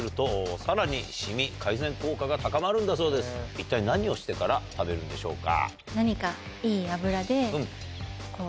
一体何をしてから食べるんでしょうか？